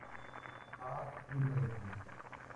A Ms.